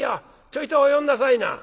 ちょいとお寄んなさいな」。